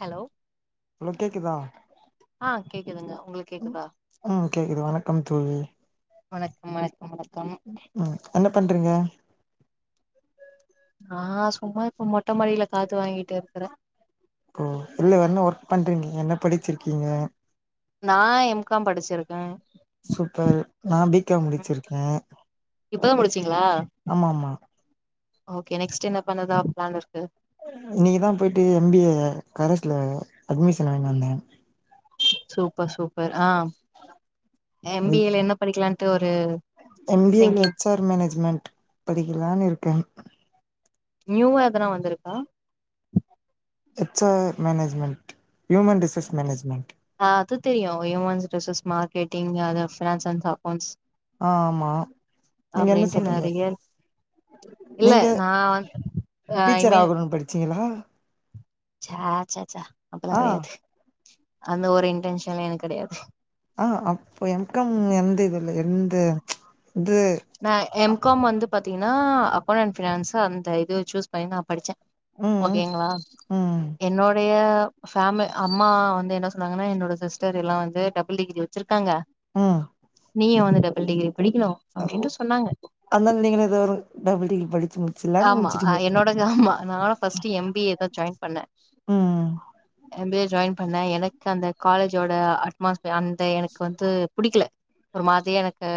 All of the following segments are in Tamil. ஹலோ ஹலோ கேக்குதா ஆ கேக்குதுங்க உங்களுக்கு ம் கேக்குதா ம் கேக்குது வணக்கம் தோழி வணக்கம் வணக்கம் வணக்கம் ம் என்ன பண்றீங்க நா சும்மா இப்ப மொட்டமாடில காத்து வாங்கிட்டு இருக்குறே ம் இல்ல என்ன ஒர்க் பணறீங்க என்ன படிச்சிருக்கீங்க நா எம் காம் படிச்சிருக்கே சூப்பர் நா பிகாம் முடிச்சிருக்கே இப்பதா முடிச்சிங்களா ஆமா ஆமா ஓகே நெக்ஸ்ட் என்ன பண்ணதா பிளான் இருக்கு இன்னைதா போயிட்டு எம் பி ஏ கரஸ்ல அட்மிஷன் வாங்கினு வந்தே சூப்பர் சூப் பர் ஆ எம் பி ஏல என்ன படிக்கலட்டு ஒரு திங்கிங் டர் மேனேஜ்மெண்ட் படிக்கலானு இருக்கே நியூவா எதுனா வந்திருக்கா H R management human resource management ஆ அது தெரியு ஹூமன்ஸ் ரிசோர்ஸ் மார்கெட்டிங் அது ஃபினான்ஸ் அந் சப் அக்கௌண்ட்ஸ் ஆ ஆமா நீங்க என்ன அப்டின்ட்டு சொல்றீங்க நெறைய இல்ல நீங்க நா வந்து ஐ டீச்சர் ஆகணுனு படிச்சீங்களா சச்சச்சா அப்டில்லா ஆ கெடையாது அந்த ஒரு இன்டென்ஷன்ல எனக்கு கெடையாது ஆ அப்போ எம் காம் எந்த இது இல்ல எந்த இது நான் எம் அப் காம் வந்து பாத்தீங்கன்னா அக்கௌவுண்ட் அண்ட் பினான்ஸ் அந்த இது சூஸ் பண்ணி நா படிச்சே ம் ஓகேங்களா ம் என்னோடைய ஃபேமி அம்மா வந்து என்ன சொன்னாங்கன்னா என்னோட சிஸ்டர் எல்லா வந்து டபுள் டிகிரி வச்சிருக்காங்க ம் நீயு வந்து டபுள் டிகிரி படிக்கணு அப்டின்ட்டு சொன்னாங்க அனால நீங்களு ஏதோ ஒரு டபிள் டிகிரி படிச்சி முடிச் ஆமா என்னோடது ஆமா நா ஃபஸ்ட் எம் பி ஏ தான் ஜாயின் பண்ண ம் எம் பி ஏ ஜாயின் பண்ண எனக்கு அந்த காலேஜோட அட்மாஸ்பியர் அந்த எனக்கு வந்து புடிக்கல ஒரு மாதிரியா எனக்கு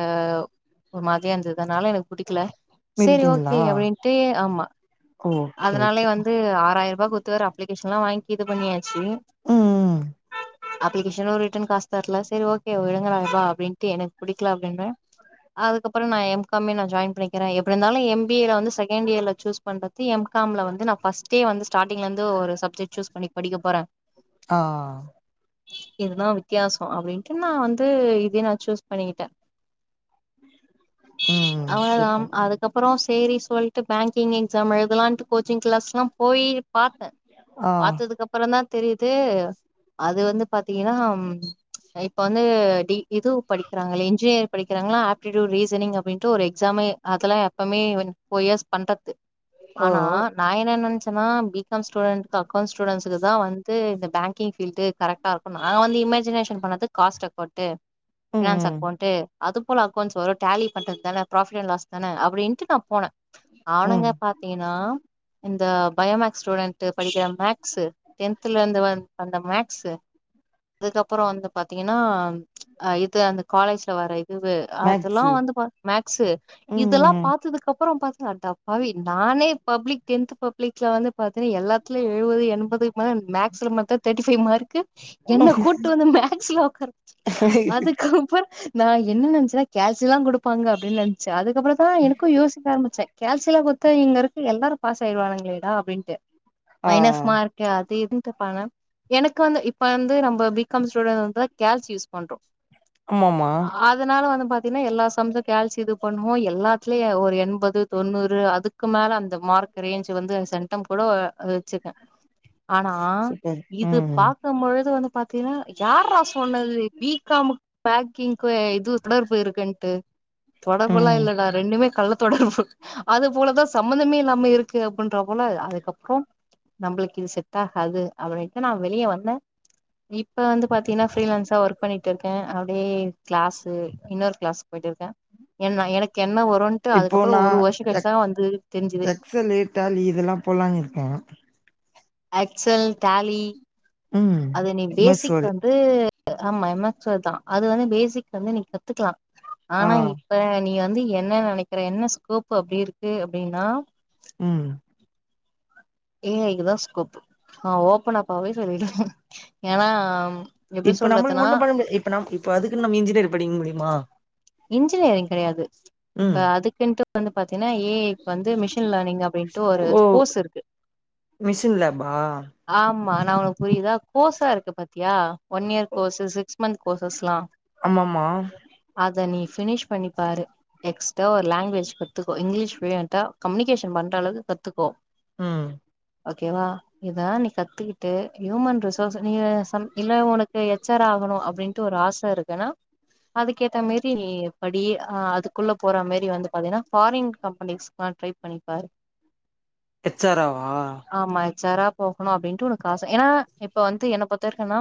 ஒரு மாதிரியா இருந்தது அனால எனக்கு புடிக்கல சேரி நின்ட்டீங்களா ஓகே அப்டின் ட்டு ஆமா ஓகே அதனாலே ஓகே வந்து ஆறாயிறூபாய் குடுத்து ஒரு அப் அப்ளிகேஷன்லாம் வாங்கி இது பண்ணியாச்சு ம் அப்ளிகேஷனும் ரிட்டர்ன் காசு தர்ல சேரி ஓகே ஓ விடுங்கடப்பா அப்டின்ட்டு எனக்கு புடிக்கல அப்டின்னு அதுக்கப்பறோ நான் எம் காம் மே நா ஜாயின் பண்ணிக்கிறேன் எப்டி இருந்தாலும் எம் பி ஏ ல வந்து செ செகண்ட் இயர்ல சூஸ் பண்றதி எம் காம் ல வந்து நான் பர்ஸ்டே வந்து ஸ்டார்டிங்லருந்து ஒரு சப் இது சூஸ் பண்ணி படிக்க போற ஆ இதுதான் வித்தியாசோ அப்டின்ட்டு நா வந்து இதே நான் சூஸ் பண்ணிக்கிட்டேன் [inaudible] அவ்ளோதான் அம் சூப்பர் அதுக்கப்பறோ சேரி சொல் ட்டு பாங்கிங் எக்ஸாம் எழுதலாம்ட்டு கோச்சிங் கிளாஸ்ல்லாம் போயி பார்த்த ஆ பாத்ததுக்கு அப்பறோ தான் தெரிது அது வந்து பாத்தீங்கன்னா எ இப்ப வந்து டி இது படிக்கிறாங்களே இன்ஜினியர் படிக்கிறாங்களா ஆப்டிடூட் ரீசனிங் அப்டின்ட்டு ஒரு எக்ஸாமே அதல்லாம் அப்பமே வந் ஃபோர் இயர்ஸ் பண்றத்து ஓ ஆனா நான் என்ன நனச்சன்னா பி காம் ஸ்டூடெண்ட் இந்த அக்கௌண்ட் ஸ்டூடெண்ட்ஸ்க்கு தான் வந்து இந்த பேங்க் கி ஃபீல்டு கரக்ட்டா இருக்கும் நான் வந்து இமாஜினேஷன் பண்ணது காஸ்ட போட்டு ம் ஃபினான்ஸ் ம் அக்கவுண்டு அது போல அக்கௌண்ட்ஸ் வரும் டாலி பண்றது தான ப்ராஃபிட் அன் லாஸ் தான அப்டின்ட்டு நான் போன ம். அவனுங்க பாத்தீங்கன்னா இந்த பயோமேக்ஸ் ஸ்டூடெண்ட்டு படிக்கிற மேக்ஸ்சு டென்த்ல இருந்து வ வந்த மேக் ஸ்சு அதுக்கப்பறோ வந்து பாத்தீங்கன்னா அ இது அந்த காலேஜ்ல வர இதுவு மேக்ஸு அதெல்லாம் வந்து பாத் மேக்ஸ்சு இதெல்லாம் ம் பாத்ததுக் அப் பறோ பாத்தா அ தப்பாவே இ நானே பப்ளிக் டென்த் பப்ளிக்ல வந்து பாத்தன்னா எல்லாத் திலியு எழுவது எண்பது மேன் மேக்ஸ்ல மட்டும் தேட்டி பைவ் மார்க்கு என்ன ம். கூட்டு வந்து மேக்ஸ்ல உக்கார வச்சி அதுக்கப்பறோ நா என்ன நெனச்சே கேஷ்லா குடுப்பாங்க அப்டின்னு நினச்ச அதுக்கப்பறோ தான் எனக்கும் யோசி ச்ச கேஷ்லா குடுத்தா இங்க இருக்க எல்லாரும் பாஸ் ஆய்டுவானங்களேடா அப்டின்ட்டு ஆ மைனஸ் மார்க் எ அது இது தப்பானா எனக்கு வந்து இப்ப வந்து நம்ம பிகாம் ஸ்டூடெண்ட்டு கேஸ் யூஸ் பண்றோம் ஆமாமா அதனால வந்து பாத்தீங்கன்னா எல்லா சம்ச்சும் கோல்சி இது பண்ணுவோம் எல்லாத்துலயு ஒரு எ எண்பது தொண்ணூறு அதுக்கு மேல அந்த மார்க் ரேஞ்ச் வந்து சென்டம் கூட அ அ வெச்சிருக்கேன் [inaudible] ஆனா சூப்பர் இது ம் பா க்கும் பொழுது வந்து பாத்தீங்கன்னா யார்ரா சொன்னது பி காம் க் பேக்கிங்கு இது தொடர்பு இருக்குன்ட்டு தொடர்புல்லாம் ம் இல்லடா ரெண்டுமே கள்ள தொடர்பு அது போலதான் சம்பந்தமே இல்லாம இருக்கு அப்பன்ற போல அதுக்கப்பறோ நம்மளுக்கு இது செட் ஆகாது அதுவரைக்கும் நான் வெளியே வந்தேன் இப்ப வந்து பாத்தீங்கன்னா ஃபிரீலான்ஸா ஒர்க் பண்ணிட்டு இருக்கேன் அப்டியே கிளாஸ்சு இன்னொரு கிளாஸ் போய்ட்டு இருக்கேன் ஏன்னா எனக்கு என்ன வரும்ன்ட்டு இப்போ அதுக்கப்பறோ ஒரு வருஷ கழிச்சிதா வந்து தெரிஞ்சிதே ஸன லேட்டாலே இதெல்லாம் போலாம்ங் இருக்காங்க அக்சல் தாலி ம் அது நீ எம் எஸ் பேசிக் வேர்டு வந்து ஆமா எம் எக்ஸ் வேர்தா அது வந்து பேசிக் வந்து நீ க த்துக்கலா ஆ ஆனா இப்ப நீ வந்து ஏ என்ன நெனைக்கிறே என்ன ஸ்கோப் அப்டி இருக்கு அப்டின்னா ம் ஏ இக்குதா ஸ்கோப் ஆ ஓபன்னப்பாவே சொல்ல ஏன்னா எப்டி இப்ப நம்மளுக்கு சொல்றதுன்னா ஒன்னு பண்ண முடியாது இப்ப நம் இப்ப அதுக்குன்னு நம்ம இன்ஜினியர் படிக்க முடியுமா இன்ஜினியரிங் கெடையாது இப்ப ம் அதுக்குன்ட்டு வந்து பாத்தீங்கன்னா ஏ ஐ க்கு வந்து மிஷின் லேர்னிங் அப்படின்ட்டு ஒரு ஓ கோர்ஸ் இருக்கு மிஷின் லேபா ஆமா நா உனக்கு புரியுதா கோர்ஸா இருக்கு பாத்தியா one year courses six month கோர்சஸ்லா ஆம்மம்மா அத நீ பினிஷ் பண்ணிப்பாரு எக்ஸ்டா ஒரு லாங்குவேஜ் கத்துக்கோ இங்கிலீஷ் ஃப்ளுயண்ட்டா கம்யூனிகேஷன் பண்றளவுக்கு கத்துக்கோ ம் ஓகேவா இதால நீ கத்துக்கிட்டு ஹூமன் ட்ரெஸ் நீயே சம் இல்ல உனக்கு எச் ஆர் ஆகணு அப்படின்னு ஒரு ஆச இருக்குன்னா அதுக்கே அ மாரி படி அதுக்குள்ள போற மாரி வந்து பாத்தீங்கன்னா ஃபாரின் கம்பெனிஸ்கல்லா ட்ரை பண்ணிப்பாரு எச்சாரவா ஆமா எச்சாரா போகணு அப்படின்னுட்டு உனக்கு ஆச ஏன்னா இப்ப வந்து என்ன பாத்த இருக்கன்னா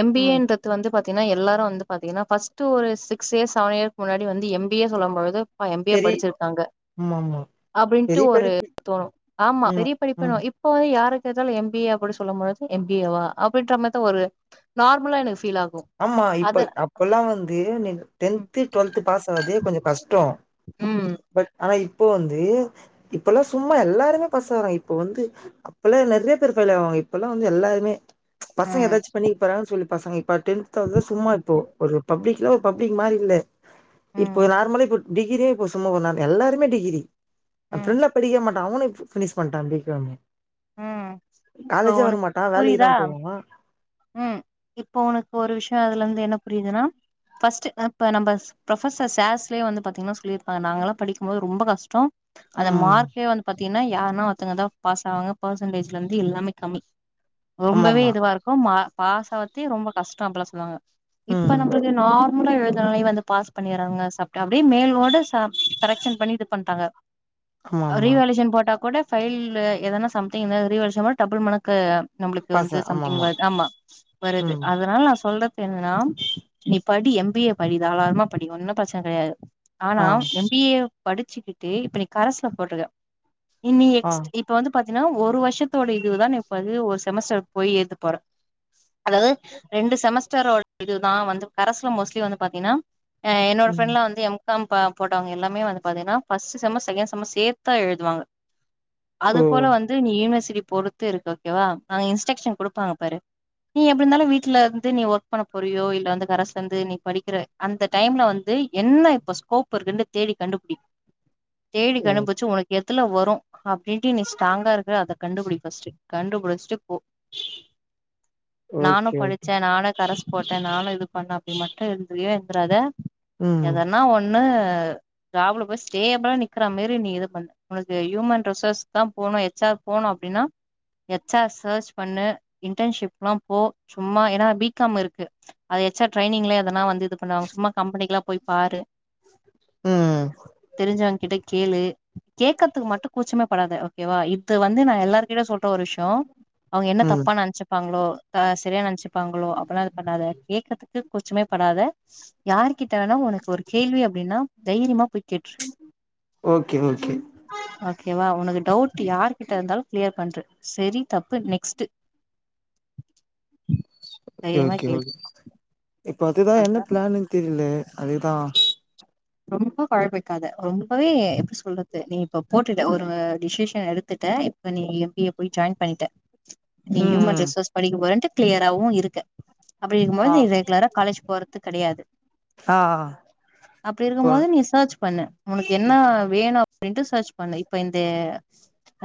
எம் பி ம் ஏன்ற து வந்து பாத்தீங்கன்னா எல்லாரு வந்து பாத்தீங்கன்னா பஸ்டு ஒரு சிகஸ் இர் செவன் இயர் முன்னாடி வந்து எம்பியே சொல்லும்பொழுது எம் பி ஏ பெரி படிச்சிருக்காங்க ஆமாமா அப்படின்ட்டு பெரிய ஒரு படிப்பு தோணு ஆமா ம் பெரிய படிப்பனு ம் இப் போ யாருக்கேட்டாலு எம் பி ஏ அப்படி சொல்லும்பொழுது எம் பி ஏவா அப்பின்ற மாரிதா ஒரு நார்மலா எனக்கு பீல் ஆகு ஆமா இப்ப அத அப்பெல்லா வந்து நீ ம் டென்து டுவெல்து பாஸ் ஆதே கொஞ்ச கஷ்டோ ம் ஆனா இப் போ வந்து இப்பல்லா சும்மா எல்லாருமே பாசகுறோ இப்ப வந்து அப்பல்லா நெறைய பேரு பெலவாங்க இப்பல்லா வந்து எல்லாருமே பசங்க ம் ஏதாச்சு பண்ணி போறாங்கன்னு சொல்லி பசங்க ப டென்த்தது சும்மா இப்போ ஒரு பப்ளிக்ல ஒரு பப்ளிக் மாரி இல்ல இப்போ ம் நார்மலே போ டிகிரியே இப்போ சும்மா போங்க எல்லாருமே டிகிரி ஏ ம் ப்ரெண்ட்லா படிக்கெ மாட்டா அவனு பினிஷ் பண்ட்டா பீ காம்மே ம். இப்போ காலேஜே வர உனக்கு மாட்டா வேலைக்கு தா புரியுதா போவா ம் இப்போ உனக்கு ஒரு விஷய அதுலந்து என்ன புரியுதுனா ஃபஸ்ட்டு ஆ இப்போ நம்ம ப்ரொஃபர் சார்ஸ்யே வந்து பாத்தீங்கன்னா சொல்லியிருப்பாங்க நாங்களா படிக்கும்போது ரொம்ப கஷ்டோ அந்த ம் மார்க்கே வந்து பாத்தீங்கன்னா யாருன்னா ஒருத்தவங்கதா பாஸ் ஆவாங்க பர்சன்டேஜ்ல இருந்து எல்லாமே கம்மி ரொம்பவே ஆமாமா இதுவாருக்கு மா பாசாவத்தே ரொம்ப கஷ்ட அப்பல்லா சொல்லுவாங்க இப்ப ம் நம்ம நார்மலா எழுதனாலே வந்து பாஸ் பண்ணிறாங்க சா அப்டியே மேலோட ச கரெக்ஷன் பண்ணி இது பண்றாங்க ஆமாமா ரீவேல்யூஷன் போட்டா கூட பைல் எதன சம் திங் ரீவேல்யூசன் போ டபுள் மனக்கு நம்மளுக்கு வந்து பாசா சம்திங் ஆமாமா வரு ஆமா வருது ம் அதனால நா சொல்ற என்னனா நீ படி எம் பி ஏ படி தாராளமா படி ஒன்னு பிரச்சனை கெடையாது ஆனா ஆ எ பி ஏ படிச்சுக்கிட்டு இப்ப நீ கரஸ்ல போட்டிருக்க இன்னி ஆ எக்ஸ்ட் இப்ப வந்து பாத் தினா ஒரு வருஷத்தோட இதுதான இப்பது ஒரு செமஸ்டரு போய் ஏழுது போற அதாவது ரெண்டு செமஸ்டர் ஓ இதுதா வந்து கரஸ்ல மோஸ்ட்லி வந்து பாத்தீங்கன்னா ஆ என்னோட ம் ப்ரெண்ட்லா வந்து எம் காம் போட்டவங்க எல்லாமே வந்து பாத்தீங்கன்னா ஃபஸ்ட்டு செம் செகண்ட் செம் சேத்தா எழுதுவாங்க அது ஓ போல வந்து நீ யூனிவர்சிட்டி பொறத்து இருக்கு ஓகேவா அங்க இன்ஸ்ட்ரக்ஷன் குடுப்பாங்க பாரு நீ எப்பிர்ந்தாலு வீட்லர்ந்து நீ ஒர்க் பண்ண போறியோ இல்ல வந்து கரஸ்லந்து நீ படிக்கிற அந்த டைம்ல வந்து என்ன இப்ப ஸ்கோப் இருக்குன்டு தேடி கண்டுபிடி தேடி ஓ கண்டுபிச்சு ஒனக்கு எதுல வரு அப்டின்ட்டு நீ ஸ்ட்ராங்கா இருக்க அத கண்டுபுடி பஸ்ட்டு கண்டுபுடிஸ்ட்டு போ நானு ஓகே ஓகே படிச்ச நானு கரஸ் போட்ட நானு இது பண்ண அப்டி மட்டு இருந்ரியே இருந்துராதா ம் எதனா ஒன்னு ஜாப் ல போய் ஸ்டேப்ளா நிக்கிற மாரி நீ இது பண்ணு உனக்கு யூமன் ரிசோர்ஸ்க் தா போனு எச் ஆர் போனு அப்டின்னா எச் ஆர் சர்ச் பண்ணு இன்டன்ஷிப்லா போ சும்மா ஏனா பி காம் இருக்கு அது எச் ஆர் ட்ரைனிங்லே அதனா வந்து இது பண்ணுவாங்க சும்மா கம்பெனிக்குலா போய் பாரு ம் தெரிஞ்சவ்ங் கிட்ட கேளு கேகற்துக்கு மட்டு கூச்சமே படாத ஓ கேவா இது வந்து நான் எல்லார் கிட்டயு சொல்ற ஒரு விஷ்யோ அவுங்க என்ன ம் தப்பா நென்ச்சு பாங்ளோ தா சரியா நென்ச்சுப்பாங்ளோ அப்புலா இது பண்ணாத கேகற்துக்கு கூச்சமே படாத யாரு கிட்டனா ஒனக்கொரு கேள்வி அப்டின்னா தைரியமா போய் கேட்ரு ஓகே ஓகே ஓகேவா ஒனக்கு டவுட்டு யார் கிட்ட இருந்தாலு கிளியர் பண்ரு செரி தப்பு நெக்ஸ்ட்டு ஓகே ஓகே ஓகே இப்ப அதுதா என்ன பிளான்னு தெரிலயே அதுதா ரொம்போ கொழம்பிக்காத ரொம்பவே எப்டி சொல்றது நீ இப்ப போட்டுட்ட ஒரு டிசிஷன் எடுத்துட்ட இப்ப நீ எம் பி ஏ போய் ஜாய்ன் பண்ணிட்ட நீ ம் ஹியூமன் ம் ரிசோர்ஸ் படிக்க போறன்ட்டு கிளியராவு இருக்க அப்டி இருக்குமோது ஆ நீ ரெக்லரா காலேஜ் போறது கெடையாது ஆ அப்டி இப்போ இருக்குமோது நீ சர்ச் பண்ணு உனக்கு என்ன வேணு அப்டின்ட்டு சர்ச் பண்ணு இப்ப இந்தே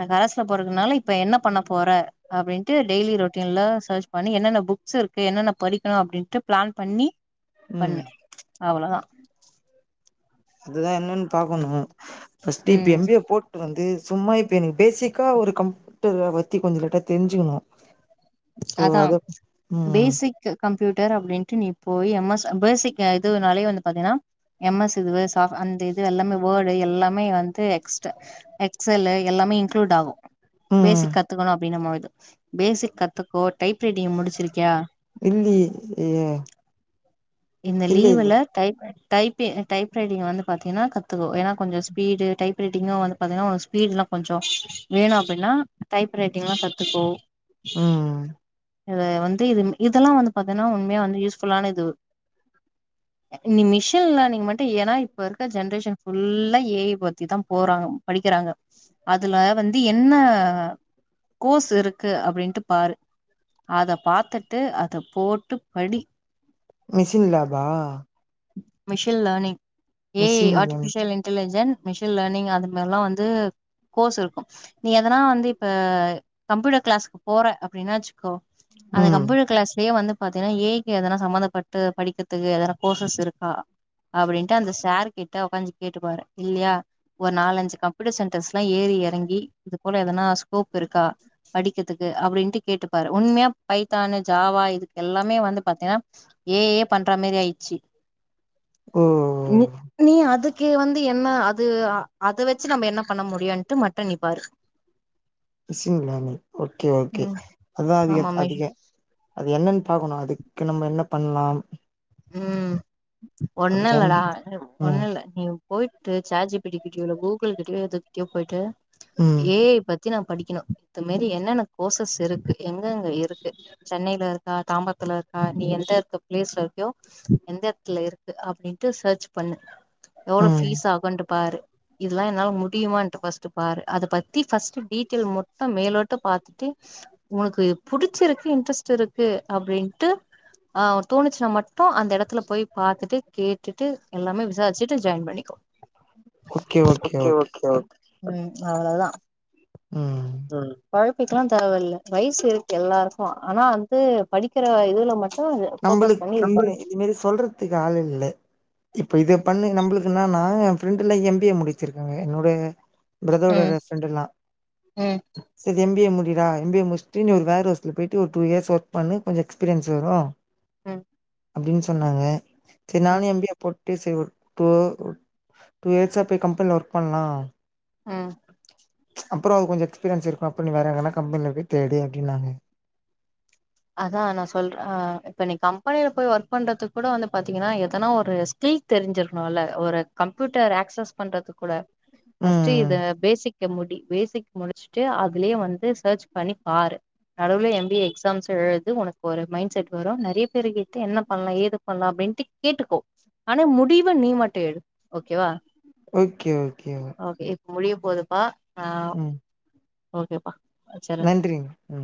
அ கரஸ்ல போறதுனால இப்ப என்ன பண்ண போற அப்டின்ட்டு டெய்லி ரொட்டின்ல சர்ச் பண்ணி என்னென்ன புக்ஸ் இருக்கு என்னென்ன படிக்லா அப்டின்ட்டு பிளான் பண்ணி ம் பண்ணு அவுளோதா அதுதா என்னன் பாக்கணு ஃபஸ்ட்டு இப்ப ம் எம் பி ஏ போட் டு வந்து சும்மா இப்ப எனுகு பேசிக்கா ஒரு கம்ப்ட்டர பத்தி கொஞ்சு லட்டா தெஞ்சுகுனு அதா ம் பேஸி க்கு கம்ப்யூட்டர் அப்டின்ட்டு நீ போய் எம் எஸ் பேசிக் அ இதுவுனாலே வந்து பாத்தீனா எம் எஸ் இது வேஸ் ஹாஃப் அந்த இது எல்லாமே வேர்ட் டு எல்லாமே வந்து எக்ஸ்ட்டு எக்செல்லு எல்லாமே இன்க்ளூட் ஆகு ம் பேசிக் கத்துக்குணு அப்டினுமோது பேசிக் கத்துக்கோ டைப் ரைட்டிங்கு முடிச்சிருக்யா இல்லியே ஏ இந்த இல்ல இல்ல லீவுல டைப் படி டைப்பி டைப்ரைட்டிங் வந்து பாத்தீனா கத்துக்கோ ஏனா கொஞ்சோ ஸ்பீடு டைப்ரைட்டிங்னா வந்து பாத்தீனா ஒனக் ஸ்பீட்லா கொஞ்சோ வேணு அப்பினா டைப் ரைட்டிங்லா கத்துக்கோ ம் இத வந்து இதுன்னு இதெல்லா வந்து பாத்தனா உண்ம்யா வந்து யூஸ்ஃபுல்லான இது நீ மிஷின் லேனிங் மட்டு ஏனா இப்ப இருக்க ஜென்ரேஷன் ஃபுல்லா ஏ ஐ பத்தி தா போறாங்க படிக்குறாங்க அதுல வந்து என்ன கோஸ் இருக்கு அப்டின்ட்டு பாரு அத பாத்துட்டு அத போட்டு படி மிஷின் லாபா machine learning A I machine learning artificial intelligence machine learning அது மாரிலா வந்து கோர்ஸ் இருக்கு நீ எதனா வந்து இப்ப கம்ப்யூட்டர் கிளாஸ்க்கு போற அப்டின்னா வச்சுக்கோ அந்த ம் கம்ப்யூட்டர் கிளாஸ்லயே வந்து பாத்தீனா ஏ ஐக்கு எதனா சம்மந்தபட்டு படிக்கிறதுக்கு எதா கோர்சஸ் இருக்கா அப்டின்ட்டு அந்த சாரு கிட்ட உக்காஞ்சு கேட்டு பாரு இல்லயா ஒரு நாலஞ்சு கம்யூட்டர் சென்டர்ஸ்லா ஏறி எறங்கி இது போல எதனா ஸ்கோப் இருக்கா படிக்கதுக்கு அப்படின்ட்டு கேட்டுப்பாரு உண்மையா பைத்தானு ஜாவா இதுக்கு எல்லாமே வந்து பாத்தீனா ஏ ஐயே பண்ற மாரி ஆயிச்சு ஓ இன்னிமே நீ அதுக்கு வந்து என்ன அது அத வச்சு நம்ம என்ன பண்ண முடியுன்ட்டு மட்டு நீ பாரு மிஷின் லேர்னிங் ஓகே ஓகே அதா அதிகே ஆமா மேஷ் அதிகே அது என்னன் பாக்கணு அதுக்கு நம்ம என்ன பண்லா ம் ஒண்ணு அதுக்கு இல்லடா ஒண்ணு ம் இல்ல நீ போய்ட்டு சாட் ஜிபிடி கிட்டயோ கூகுள் கிட்டயோ எது கிட்டயோ பொயிட்டு ம் ஏ ஐ பத் த்தி நா படிக்கணு இது மேரி என்னென்ன கோர்சஸ் இருக்கு எங்க எங்க இருக்கு சென்னைல இரு க்கா தாம்பரத்துல இருக்கா நீ எந்த இருக்க பிளேஸ்ல இரு க்கியோ எந்த எத்துல இருக்கு அப்டின்ட்டு சர்ச் பண்ணு எவ்வளோ ம் ஃபீஸ் ஆகுன்ட்டு பாரு இதுல்லா என்னால முடியுமான்ட்டு ஃபர்ஸ்ட்டு பாரு அத பத்தி ஃபர்ஸ்ட்டு டீட்டெயில் மட்டு மேலோட்ட பாத்துட்டு உனக்கு புடிச்சிருக்கு இன்ட்ரெஸ்ட் இருக்கு அப்டின்ட்டு அ தோணிச்சுனா மட் டோ அந்த எடத்துல போய் பாத்துட்டு கேட்டுட்டு எல்லாமே விசாரிச்சுட்டு ஜாயின் பண்ணிக்கோ ஓகே ஓகே ஓகே ம் அவ்ளோதா ம் போய் டிக்லா தேவயில்ல வயசு இருக்கு எல்லாருக்கு ஆனா வந்து படிக்கிற இதுல மட்டு இது ஃபோக்கஸ் பண்ணி இல்ல பண்ணு இது மாரி சொல்றதுக்கு ஆள் இல்ல இப்ப இத பண்ணி நம்புளுக்கு என்னனா எ ஃப்ரெண்டுலா எம் பி ஏ முடிச்சிருக்காங்க என்னோட பிரதரோட ம் ரெ ஃப்ரன்டெல்லா ம் செரி எம் பி ஏ முடிடா எம் பி ஏ முச்ட்டு நீ ஒரு வேற்ஹவுஸ்ல போயிட்டு ஒரு டூ இயர்ஸ் ஒர்க் பண்ணு கொஞ்சோ எக்ஸ்பீரியன்ஸ் வரு ம் அப்டின்னு சொன்னாங்க சரி ம் நானு எம் பி ஏ போட் டு சரி ஒரு டூ டூ இயர்ஸா போய் கம்பனியில ஒர்க் பண்லா ஆ அப்புறோ கொஞ்சோ எக்ஸ்பீரியன்ஸ் இருக்கு அப்பறோ நீ வேற எங்கனா கம்பனில போய் தேடு அப்டினாங்க அதா நா சொல்ற இப்ப நீ கம்பெனியில போய் ஒர்க் பண்றதுக் கூட வந்து பாத்தீங்கன்னா எதனா ஒரு ஸ்கில் தெரிஞ்சிருக்கணுல்ல ஒரு கம்ப்யூட்டர் ஆக்சஸ் பண்றதுக் கூட ஃபஸ்ட்டு ம் இத பேசிக் க முடி பேசிக் முடிச்சுட்டு அதுலயே வந்து சர்ச் பண்ணி பாரு நடுவுல எம் பி ஏ எக்ஸாம்ஸ் எழுது உனக்கு ஒரு மைண்ட் செட் வரு நெறைய பேரு கிட்டு என்ன பண்லா ஏது பண்லா அப்டின்ட்டு கேட்டுக்கோ ஆனா முடிவ நீ மட்டு எடு ஓகேவா ஓகே ஓகே ஓ ஓகே இப்ப முடிய போதுப்பா நா ம் ஓகேபா நன்றிங்க ம்